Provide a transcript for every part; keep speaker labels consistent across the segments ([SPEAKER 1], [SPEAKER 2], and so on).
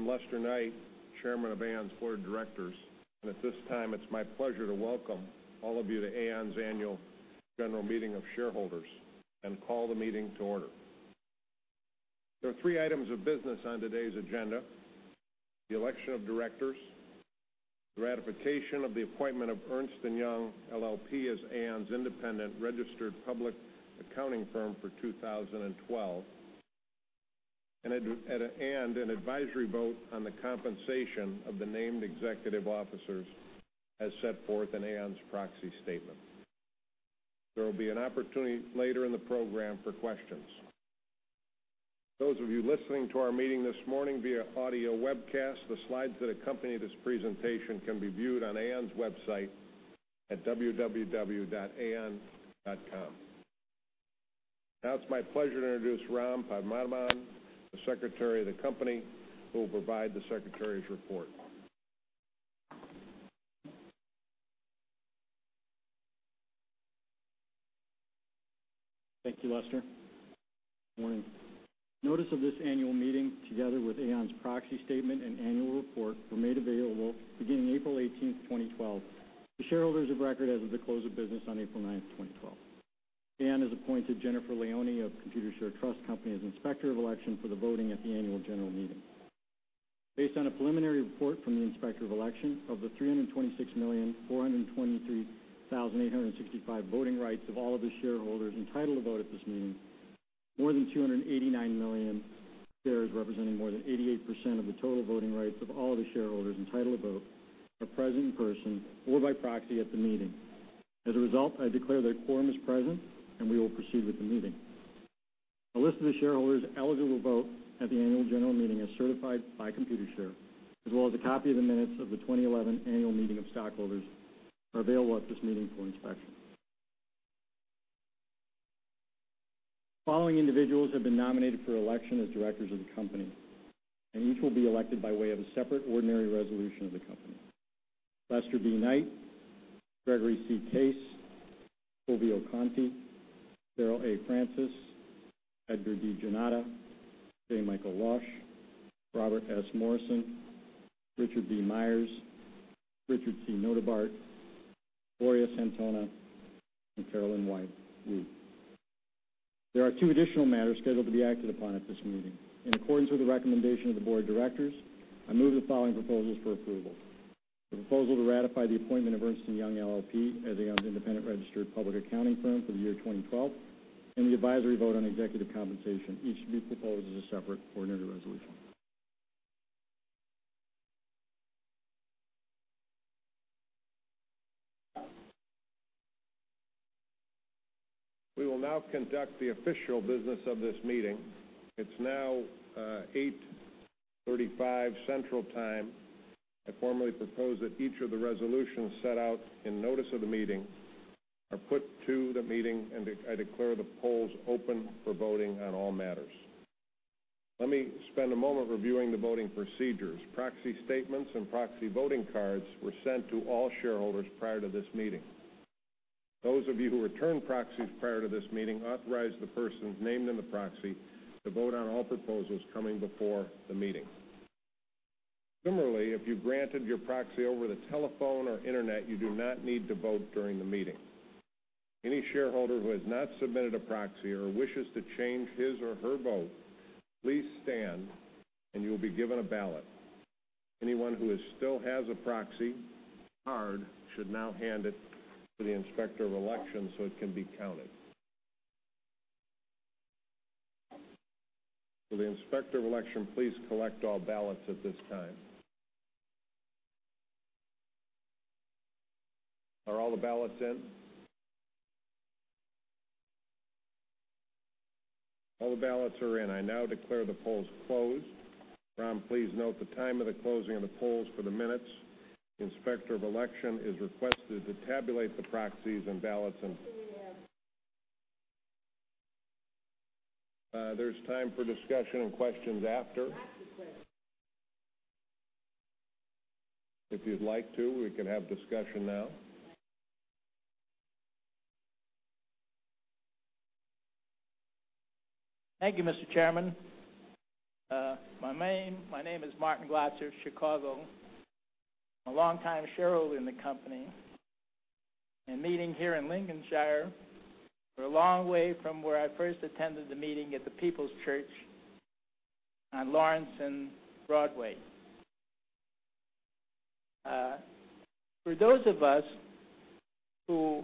[SPEAKER 1] Morning. I'm Lester Knight, Chairman of Aon's Board of Directors, and at this time it's my pleasure to welcome all of you to Aon's annual general meeting of shareholders and call the meeting to order. There are three items of business on today's agenda, the election of directors, the ratification of the appointment of Ernst & Young LLP as Aon's independent registered public accounting firm for 2012, and an advisory vote on the compensation of the named executive officers as set forth in Aon's proxy statement. There will be an opportunity later in the program for questions. Those of you listening to our meeting this morning via audio webcast, the slides that accompany this presentation can be viewed on Aon's website at www.aon.com. Now it's my pleasure to introduce Ram Padmanabhan, the Secretary of the company, who will provide the Secretary's report.
[SPEAKER 2] Thank you, Lester. Morning. Notice of this annual meeting, together with Aon's proxy statement and annual report, were made available beginning April 18th, 2012, to shareholders of record as of the close of business on April 9th, 2012. Aon has appointed Jennifer Leone of Computershare Trust Company as Inspector of Election for the voting at the annual general meeting. Based on a preliminary report from the Inspector of Election, of the 326,423,865 voting rights of all of the shareholders entitled to vote at this meeting, more than 289 million shares representing more than 88% of the total voting rights of all of the shareholders entitled to vote are present in person or by proxy at the meeting. As a result, I declare that a quorum is present, and we will proceed with the meeting. A list of the shareholders eligible to vote at the annual general meeting as certified by Computershare, as well as a copy of the minutes of the 2011 annual meeting of stockholders, are available at this meeting for inspection. The following individuals have been nominated for election as directors of the company, and each will be elected by way of a separate ordinary resolution of the company: Lester B. Knight, Gregory C. Case, Fulvio Conti, Cheryl A. Francis, Edgar D. Jannotta, J. Michael Losh, Robert S. Morrison, Richard B. Myers, Richard C. Notebaert, Gloria Santona, and Carolyn Y. Woo. There are two additional matters scheduled to be acted upon at this meeting. In accordance with the recommendation of the Board of Directors, I move the following proposals for approval: the proposal to ratify the appointment of Ernst & Young LLP as Aon's independent registered public accounting firm for the year 2012, and the advisory vote on executive compensation, each to be proposed as a separate ordinary resolution.
[SPEAKER 1] We will now conduct the official business of this meeting. It's now 8:35 Central Time. I formally propose that each of the resolutions set out in notice of the meeting are put to the meeting, and I declare the polls open for voting on all matters. Let me spend a moment reviewing the voting procedures. Proxy statements and proxy voting cards were sent to all shareholders prior to this meeting. Those of you who returned proxies prior to this meeting authorized the persons named in the proxy to vote on all proposals coming before the meeting. Similarly, if you granted your proxy over the telephone or internet, you do not need to vote during the meeting. Any shareholder who has not submitted a proxy or wishes to change his or her vote, please stand and you'll be given a ballot. Anyone who still has a proxy card should now hand it to the Inspector of Election so it can be counted. Will the Inspector of Election please collect all ballots at this time. Are all the ballots in? All the ballots are in. I now declare the polls closed. Ram, please note the time of the closing of the polls for the minutes. The Inspector of Election is requested to tabulate the proxies and ballots. There's time for discussion and questions after. If you'd like to, we can have discussion now.
[SPEAKER 3] Thank you, Mr. Chairman. My name is Martin Glasser, Chicago. I'm a longtime shareholder in the company and meeting here in Lincolnshire. We're a long way from where I first attended the meeting at the Peoples Church on Lawrence and Broadway. For those of us who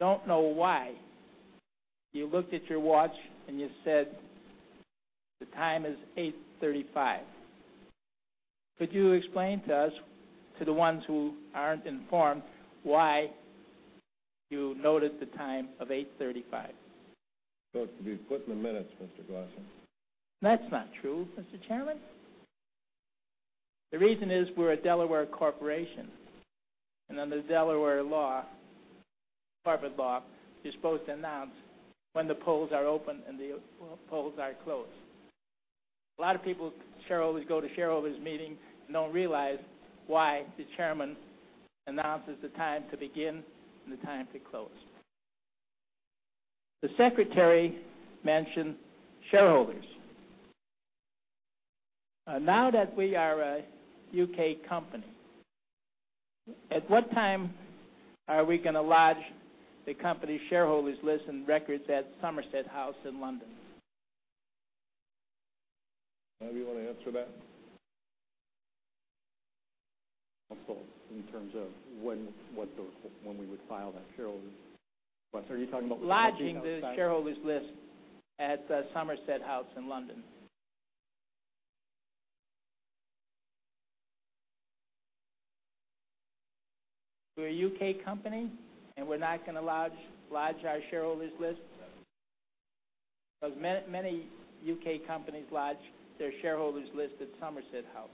[SPEAKER 3] don't know why you looked at your watch and you said the time is 8:35, could you explain to us, to the ones who aren't informed, why you noted the time of 8:35?
[SPEAKER 1] It could be put in the minutes, Mr. Glasser.
[SPEAKER 3] That's not true, Mr. Chairman. The reason is we're a Delaware corporation. Under Delaware law, corporate law, you're supposed to announce when the polls are open and the polls are closed. A lot of people go to shareholders meetings and don't realize why the chairman announces the time to begin and the time to close. The secretary mentioned shareholders. That we are a U.K. company, at what time are we going to lodge the company shareholders' list and records at Somerset House in London?
[SPEAKER 1] Bob, you want to answer that?
[SPEAKER 2] In terms of when we would file that shareholders list. Are you talking about with the 14A filing?
[SPEAKER 3] Lodging the shareholders list at Somerset House in London. We're a U.K. company, and we're not going to lodge our shareholders list? Many U.K. companies lodge their shareholders list at Somerset House.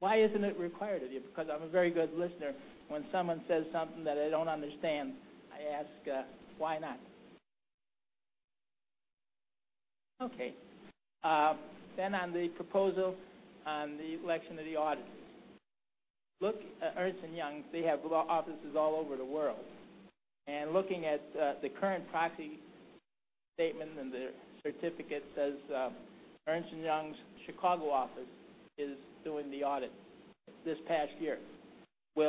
[SPEAKER 3] Why isn't it required of you? I'm a very good listener. When someone says something that I don't understand, I ask, "Why not?" Okay. On the proposal on the election of the auditors. Look at Ernst & Young, they have law offices all over the world. Looking at the current proxy statement and the certificate says Ernst & Young's Chicago office is doing the audit this past year. Which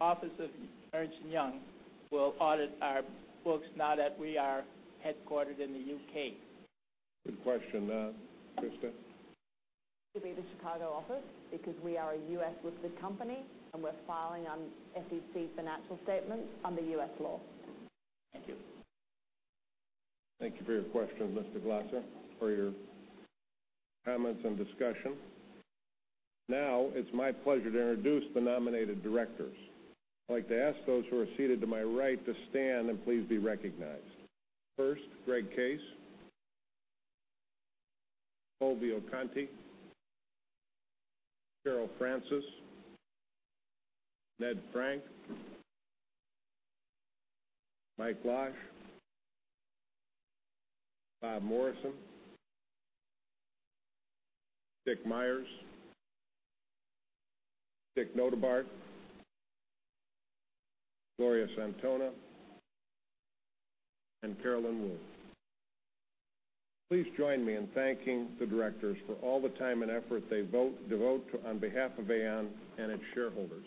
[SPEAKER 3] office of Ernst & Young will audit our books now that we are headquartered in the U.K.?
[SPEAKER 1] Good question. Christa?
[SPEAKER 4] It'll be the Chicago office because we are a U.S. listed company, and we're filing on SEC financial statements under U.S. law.
[SPEAKER 3] Thank you.
[SPEAKER 1] Thank you for your question, Mr. Glasser, for your comments and discussion. Now it's my pleasure to introduce the nominated directors. I'd like to ask those who are seated to my right to stand and please be recognized. First, Greg Case. Fulvio Conti. Cheryl Francis. Edgar D. Jannotta. J. Michael Losh. Bob Morrison. Dick Myers. Dick Notebaert. Gloria Santona, and Carolyn Woo. Please join me in thanking the directors for all the time and effort they devote on behalf of Aon and its shareholders.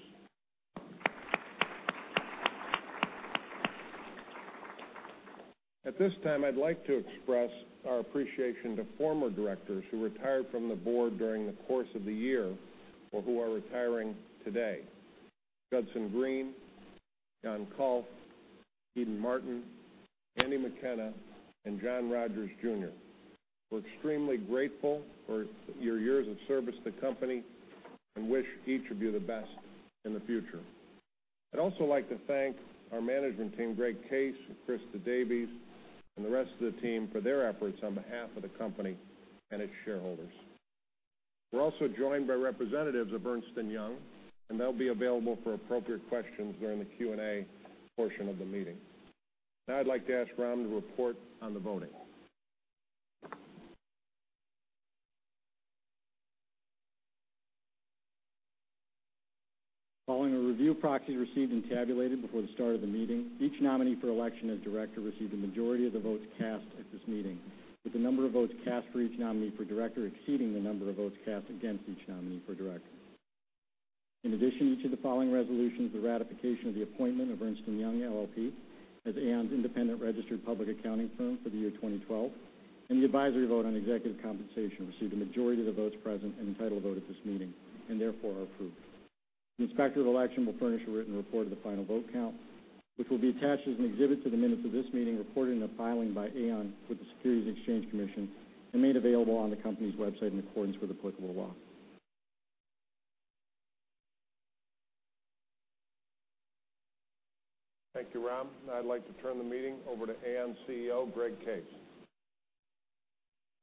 [SPEAKER 1] At this time, I'd like to express our appreciation to former directors who retired from the board during the course of the year or who are retiring today. Judson Green, Jan Kalff, Eden Martin, Andrew J. McKenna, and John W. Rogers Jr. We're extremely grateful for your years of service to the company and wish each of you the best in the future. I'd also like to thank our management team, Greg Case, Christa Davies, and the rest of the team for their efforts on behalf of the company and its shareholders. We're also joined by representatives of Ernst & Young, and they'll be available for appropriate questions during the Q&A portion of the meeting. Now I'd like to ask Ram to report on the voting.
[SPEAKER 2] Following a review of proxies received and tabulated before the start of the meeting, each nominee for election as director received a majority of the votes cast at this meeting, with the number of votes cast for each nominee for director exceeding the number of votes cast against each nominee for director. In addition, each of the following resolutions, the ratification of the appointment of Ernst & Young LLP as Aon's independent registered public accounting firm for the year 2012, and the advisory vote on executive compensation received a majority of the votes present and entitled to vote at this meeting, and therefore are approved. The Inspector of Election will furnish a written report of the final vote count, which will be attached as an exhibit to the minutes of this meeting reported in a filing by Aon with the Securities and Exchange Commission and made available on the company's website in accordance with applicable law.
[SPEAKER 1] Thank you, Ram. I'd like to turn the meeting over to Aon CEO, Greg Case.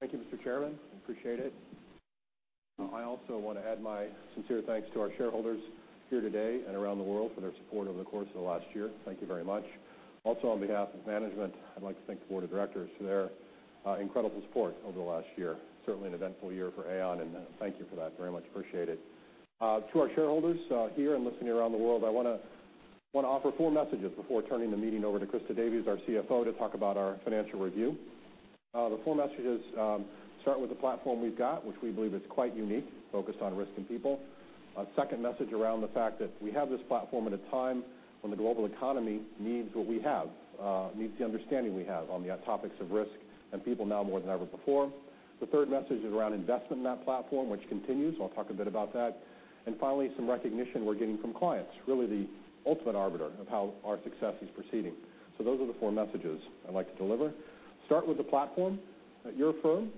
[SPEAKER 5] Thank you, Mr. Chairman. I appreciate it. I also want to add my sincere thanks to our shareholders here today and around the world for their support over the course of the last year. Thank you very much. Also, on behalf of management, I'd like to thank the board of directors for their incredible support over the last year. Certainly an eventful year for Aon, thank you for that. Very much appreciate it. To our shareholders here and listening around the world, I want to offer four messages before turning the meeting over to Christa Davies, our CFO, to talk about our financial review. The four messages start with the platform we've got, which we believe is quite unique, focused on risk and people. Second message around the fact that we have this platform at a time when the global economy needs what we have, needs the understanding we have on the topics of risk and people now more than ever before. Third message is around investment in that platform, which continues. I'll talk a bit about that. Finally, some recognition we're getting from clients, really the ultimate arbiter of how our success is proceeding. Those are the four messages I'd like to deliver. Start with the platform. Your firm,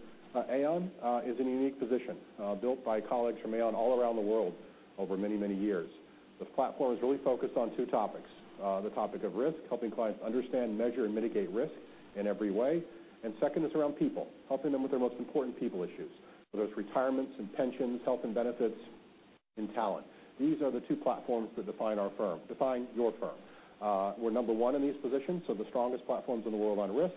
[SPEAKER 5] Aon, is in a unique position, built by colleagues from Aon all around the world over many, many years. The platform is really focused on two topics. The topic of risk, helping clients understand, measure, and mitigate risk in every way. Second is around people, helping them with their most important people issues, whether it's retirements and pensions, health and benefits in talent. These are the two platforms that define our firm, define your firm. We're number 1 in these positions, so the strongest platforms in the world on risk,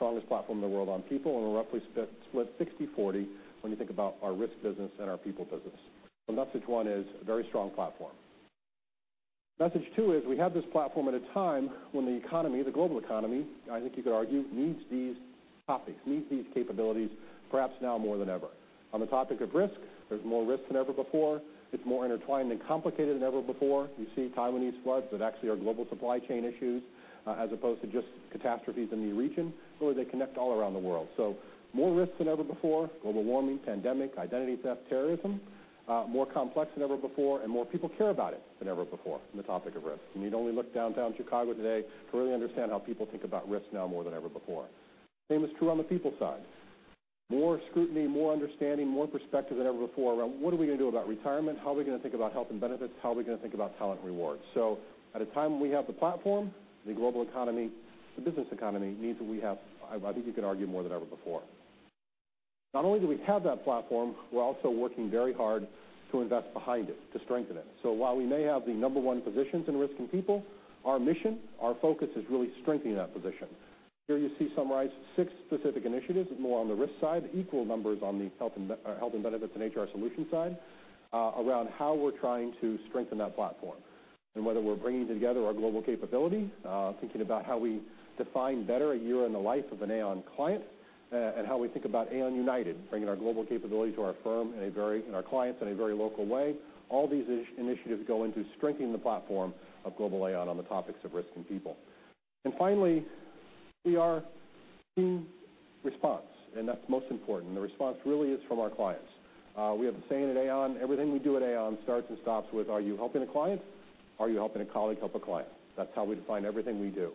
[SPEAKER 5] strongest platform in the world on people, and we're roughly split 60/40 when you think about our risk business and our people business. Message 1 is a very strong platform. Message 2 is we have this platform at a time when the economy, the global economy, I think you could argue, needs these topics, needs these capabilities, perhaps now more than ever. On the topic of risk, there's more risk than ever before. It's more intertwined and complicated than ever before. You see Taiwanese floods that actually are global supply chain issues, as opposed to just catastrophes in the region, really they connect all around the world. More risk than ever before, global warming, pandemic, identity theft, terrorism, more complex than ever before, more people care about it than ever before on the topic of risk. You need only look downtown Chicago today to really understand how people think about risk now more than ever before. Same is true on the people side. More scrutiny, more understanding, more perspective than ever before around what are we going to do about retirement? How are we going to think about health and benefits? How are we going to think about talent rewards? At a time when we have the platform, the global economy, the business economy needs what we have, I think you could argue more than ever before. Not only do we have that platform, we're also working very hard to invest behind it, to strengthen it. While we may have the number one positions in risk and people, our mission, our focus is really strengthening that position. Here you see summarized six specific initiatives, more on the risk side, equal numbers on the health and benefits and HR solutions side, around how we're trying to strengthen that platform. Whether we're bringing together our global capability, thinking about how we define better a year in the life of an Aon client, how we think about Aon United, bringing our global capability to our firm and our clients in a very local way. All these initiatives go into strengthening the platform of global Aon on the topics of risk and people. Finally, we are seeing response, and that's most important. The response really is from our clients. We have a saying at Aon, everything we do at Aon starts and stops with are you helping a client? Are you helping a colleague help a client? That's how we define everything we do.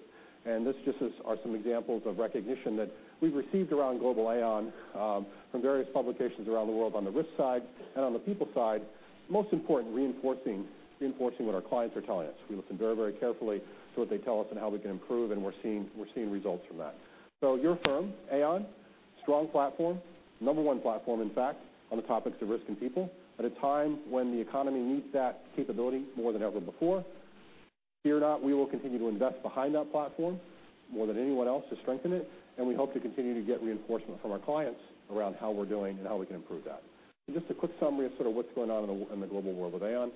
[SPEAKER 5] These just are some examples of recognition that we've received around global Aon from various publications around the world on the risk side and on the people side, most important, reinforcing what our clients are telling us. We listen very carefully to what they tell us on how we can improve, and we're seeing results from that. Your firm, Aon, strong platform, number one platform, in fact, on the topics of risk and people, at a time when the economy needs that capability more than ever before. Fear not, we will continue to invest behind that platform more than anyone else to strengthen it, we hope to continue to get reinforcement from our clients around how we're doing and how we can improve that. Just a quick summary of sort of what's going on in the global world with Aon.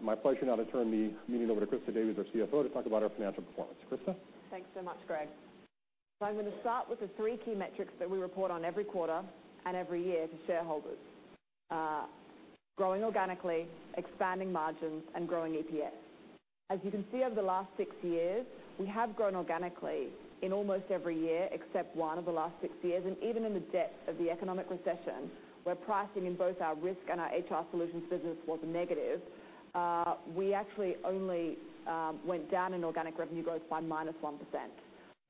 [SPEAKER 5] My pleasure now to turn the meeting over to Christa Davies, our CFO, to talk about our financial performance. Christa?
[SPEAKER 4] Thanks so much, Greg. I'm going to start with the three key metrics that we report on every quarter and every year to shareholders. Growing organically, expanding margins, and growing EPS. As you can see over the last six years, we have grown organically in almost every year except one of the last six years. Even in the depth of the economic recession, where pricing in both our risk and our HR solutions business was negative, we actually only went down in organic revenue growth by -1%.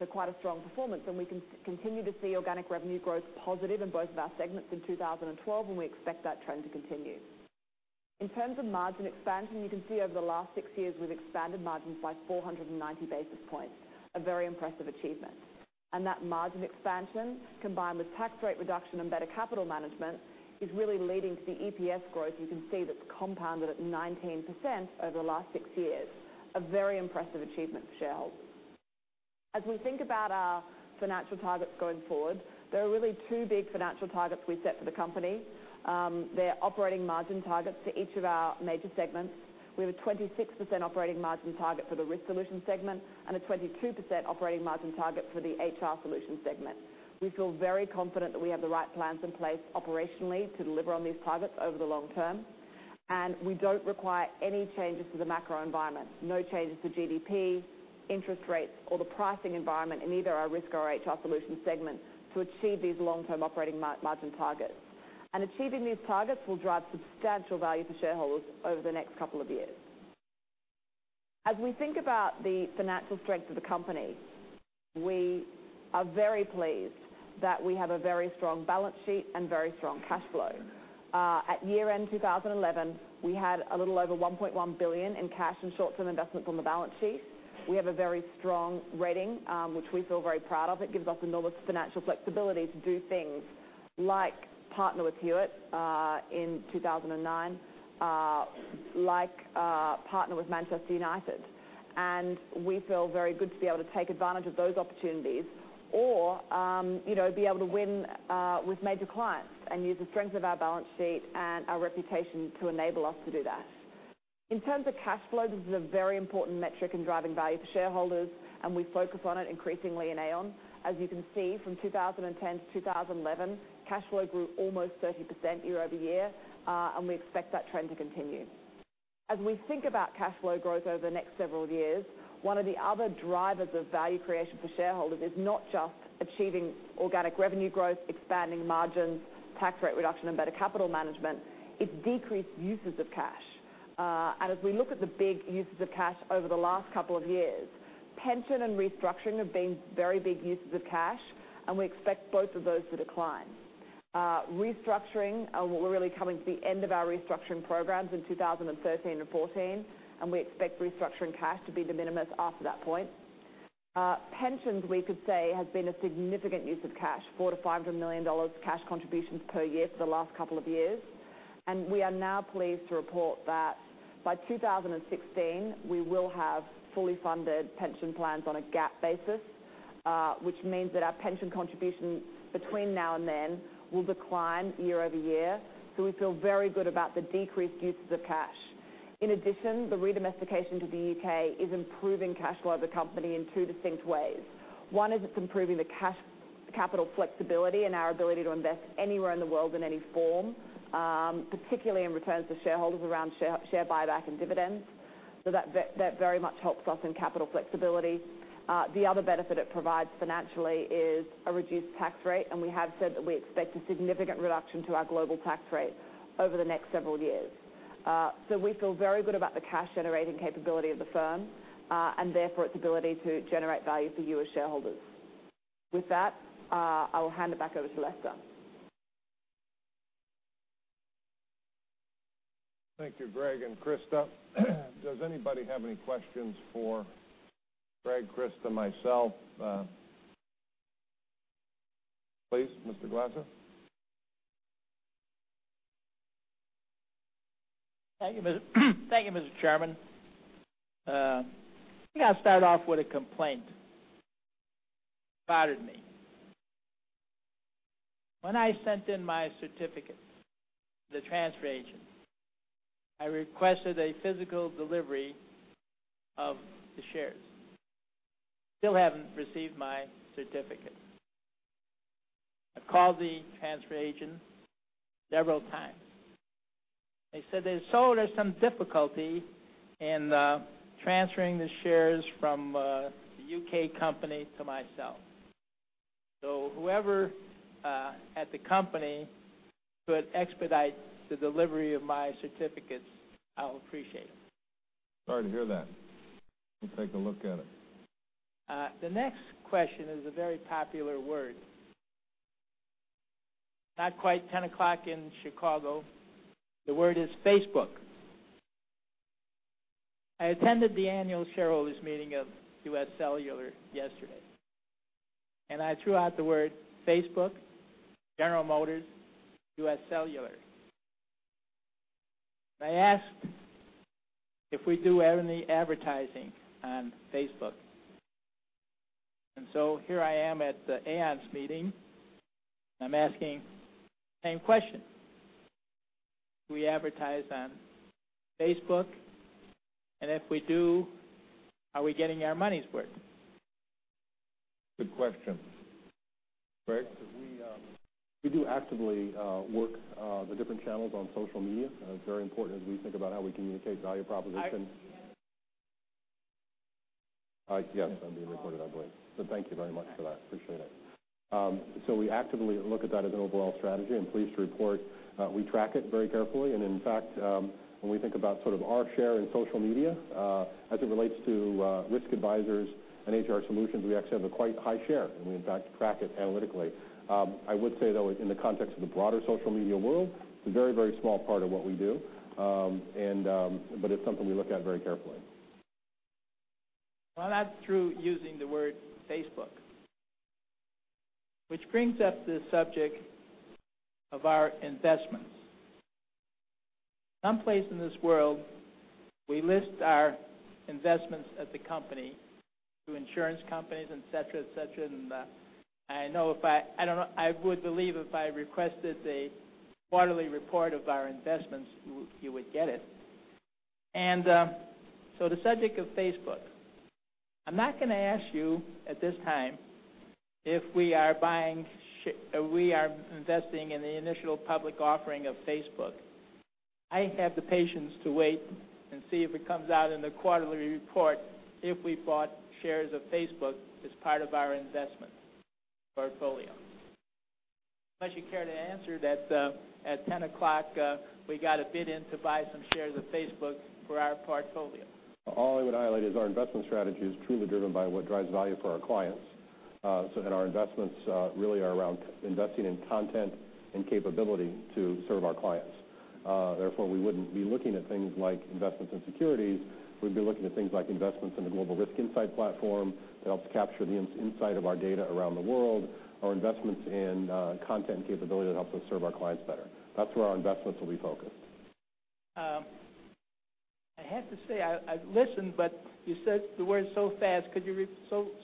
[SPEAKER 4] Quite a strong performance, and we continue to see organic revenue growth positive in both of our segments in 2012, and we expect that trend to continue. In terms of margin expansion, you can see over the last six years, we've expanded margins by 490 basis points, a very impressive achievement. That margin expansion, combined with tax rate reduction and better capital management, is really leading to the EPS growth you can see that's compounded at 19% over the last six years, a very impressive achievement for shareholders. As we think about our financial targets going forward, there are really two big financial targets we set for the company. They're operating margin targets to each of our major segments. We have a 26% operating margin target for the risk solution segment and a 22% operating margin target for the HR solutions segment. We feel very confident that we have the right plans in place operationally to deliver on these targets over the long term, we don't require any changes to the macro environment, no changes to GDP, interest rates, or the pricing environment in either our risk or HR solutions segment to achieve these long-term operating margin targets. Achieving these targets will drive substantial value to shareholders over the next couple of years. As we think about the financial strength of the company, we are very pleased that we have a very strong balance sheet and very strong cash flow. At year-end 2011, we had a little over $1.1 billion in cash and short-term investments on the balance sheet. We have a very strong rating, which we feel very proud of. It gives us enormous financial flexibility to do things like partner with Hewitt in 2009, like partner with Manchester United. We feel very good to be able to take advantage of those opportunities or be able to win with major clients and use the strength of our balance sheet and our reputation to enable us to do that. In terms of cash flow, this is a very important metric in driving value for shareholders, we focus on it increasingly in Aon. As you can see from 2010 to 2011, cash flow grew almost 30% year-over-year, we expect that trend to continue. As we think about cash flow growth over the next several years, one of the other drivers of value creation for shareholders is not just achieving organic revenue growth, expanding margins, tax rate reduction, and better capital management, it's decreased uses of cash. As we look at the big uses of cash over the last couple of years, pension and restructuring have been very big uses of cash, we expect both of those to decline. Restructuring, we're really coming to the end of our restructuring programs in 2013 and 2014. We expect restructuring cash to be de minimis after that point. Pensions, we could say, have been a significant use of cash, $400 million to $500 million cash contributions per year for the last couple of years. We are now pleased to report that by 2016, we will have fully funded pension plans on a GAAP basis, which means that our pension contribution between now and then will decline year-over-year. We feel very good about the decreased uses of cash. In addition, the re-domestication to the U.K. is improving cash flow of the company in two distinct ways. One is it's improving the capital flexibility and our ability to invest anywhere in the world in any form, particularly in returns to shareholders around share buyback and dividends. That very much helps us in capital flexibility. The other benefit it provides financially is a reduced tax rate, and we have said that we expect a significant reduction to our global tax rate over the next several years. We feel very good about the cash-generating capability of the firm, and therefore its ability to generate value for you as shareholders. With that, I will hand it back over to Lester.
[SPEAKER 1] Thank you, Greg and Christa. Does anybody have any questions for Greg, Christa, myself? Please, Mr. Glasser.
[SPEAKER 3] Thank you, Mr. Chairman. I think I'll start off with a complaint. It bothered me. When I sent in my certificate to the transfer agent, I requested a physical delivery of the shares. Still haven't received my certificate. I've called the transfer agent several times. They said there's some difficulty in transferring the shares from the U.K. company to myself. Whoever at the company could expedite the delivery of my certificates, I'll appreciate it.
[SPEAKER 1] Sorry to hear that. We'll take a look at it.
[SPEAKER 3] The next question is a very popular word. Not quite 10:00 in Chicago. The word is Facebook. I attended the annual shareholders meeting of U.S. Cellular yesterday, and I threw out the word Facebook, General Motors, U.S. Cellular. I asked if we do any advertising on Facebook. Here I am at the Aon's meeting, and I'm asking the same question. Do we advertise on Facebook? If we do, are we getting our money's worth?
[SPEAKER 1] Good question. Greg?
[SPEAKER 5] We do actively work the different channels on social media. It's very important as we think about how we communicate value propositions.
[SPEAKER 3] Are you being recorded?
[SPEAKER 5] Yes, I'm being recorded, I believe. Thank you very much for that. Appreciate it. We actively look at that as an overall strategy. I'm pleased to report we track it very carefully. In fact, when we think about our share in social media as it relates to risk advisors and HR solutions, we actually have a quite high share, and we in fact track it analytically. I would say, though, in the context of the broader social media world, it's a very small part of what we do. It's something we look at very carefully.
[SPEAKER 3] Well, that's true, using the word Facebook, which brings up the subject of our investments. Some place in this world, we list our investments as a company through insurance companies, et cetera. I would believe if I requested a quarterly report of our investments, you would get it. The subject of Facebook, I'm not going to ask you at this time, if we are investing in the initial public offering of Facebook. I have the patience to wait and see if it comes out in the quarterly report if we bought shares of Facebook as part of our investment portfolio. Unless you care to answer that at 10 o'clock, we got a bid in to buy some shares of Facebook for our portfolio.
[SPEAKER 5] All I would highlight is our investment strategy is truly driven by what drives value for our clients. Our investments really are around investing in content and capability to serve our clients. Therefore, we wouldn't be looking at things like investments in securities. We'd be looking at things like investments in the Aon Global Risk Insight Platform that helps capture the insight of our data around the world, or investments in content capability that helps us serve our clients better. That's where our investments will be focused.
[SPEAKER 3] I have to say, I listened, but you said the word so fast. Could you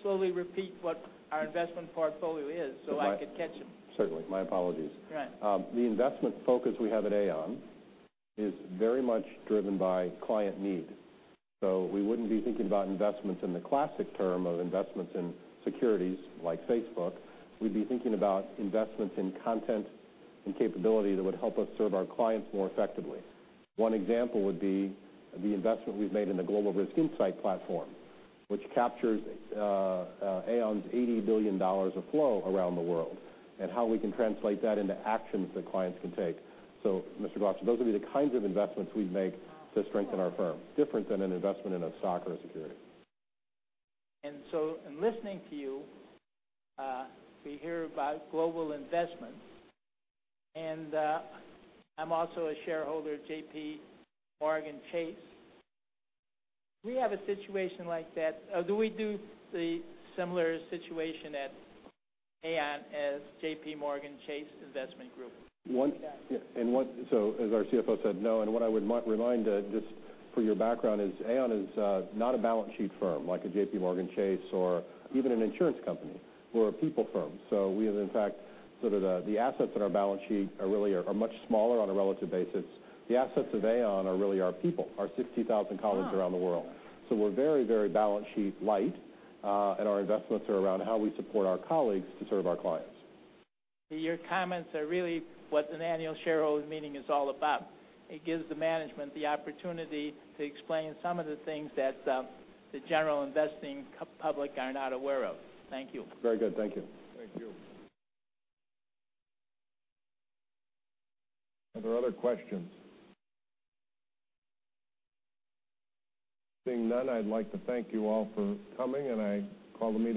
[SPEAKER 3] slowly repeat what our investment portfolio is so I could catch them?
[SPEAKER 5] Certainly. My apologies.
[SPEAKER 3] Right.
[SPEAKER 5] The investment focus we have at Aon is very much driven by client need. We wouldn't be thinking about investments in the classic term of investments in securities like Facebook. We'd be thinking about investments in content and capability that would help us serve our clients more effectively. One example would be the investment we've made in the Aon Global Risk Insight Platform, which captures Aon's $80 billion of flow around the world, and how we can translate that into actions that clients can take. Mr. Glasser, those would be the kinds of investments we'd make to strengthen our firm, different than an investment in a stock or a security.
[SPEAKER 3] In listening to you, we hear about global investments, and I'm also a shareholder at JPMorgan Chase. Do we do the similar situation at Aon as JPMorgan Chase Investment Group?
[SPEAKER 5] As our CFO said, no. What I would remind just for your background is Aon is not a balance sheet firm like a JPMorgan Chase or even an insurance company. We're a people firm. We have, in fact, the assets on our balance sheet really are much smaller on a relative basis. The assets of Aon are really our people, our 60,000 colleagues around the world. We're very balance sheet light, and our investments are around how we support our colleagues to serve our clients.
[SPEAKER 3] Your comments are really what an annual shareholders meeting is all about. It gives the management the opportunity to explain some of the things that the general investing public are not aware of. Thank you.
[SPEAKER 5] Very good. Thank you.
[SPEAKER 1] Thank you. Are there other questions? Seeing none, I'd like to thank you all for coming. I call the meeting adjourned.